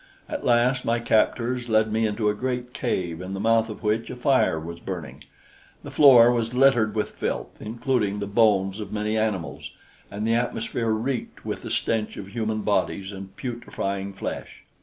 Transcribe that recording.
At last my captors led me into a great cave in the mouth of which a fire was burning. The floor was littered with filth, including the bones of many animals, and the atmosphere reeked with the stench of human bodies and putrefying flesh.